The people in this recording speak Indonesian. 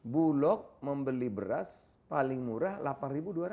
bulog membeli beras paling murah rp delapan dua ratus